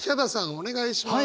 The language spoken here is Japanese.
お願いします。